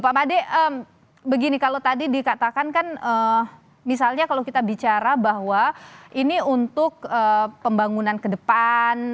pak made begini kalau tadi dikatakan kan misalnya kalau kita bicara bahwa ini untuk pembangunan ke depan